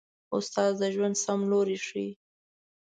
استاد د ژوند سم لوری ښيي.